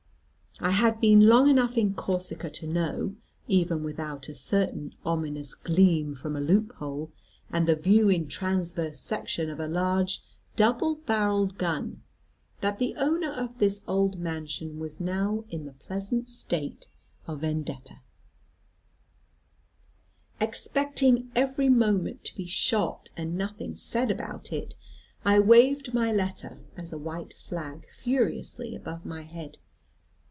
I had been long enough in Corsica to know, even without a certain ominous gleam from a loophole, and the view in transverse section of a large double barrelled gun, that the owner of this old mansion was now in the pleasant state of Vendetta. Expecting every moment to be shot, and nothing said about it, I waved my letter, as a white flag, furiously above my head.